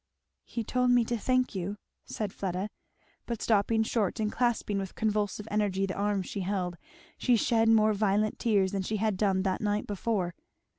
"He told me to thank you " said Fleda. But stopping short and clasping with convulsive energy the arm she held, she shed more violent tears than she had done that night before.